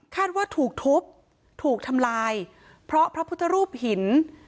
ว่าถูกทุบถูกทำลายเพราะพระพุทธรูปหิน